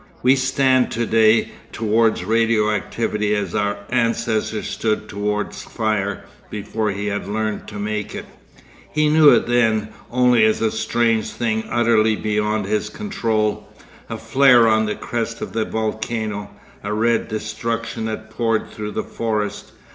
We stand to day towards radio activity as our ancestor stood towards fire before he had learnt to make it. He knew it then only as a strange thing utterly beyond his control, a flare on the crest of the volcano, a red destruction that poured through the forest.